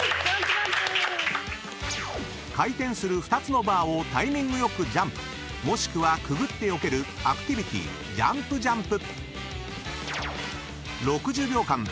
［回転する２つのバーをタイミング良くジャンプもしくはくぐってよけるアクティビティＪｕｍｐ×Ｊｕｍｐ］